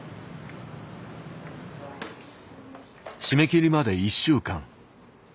締め切りまで１週間。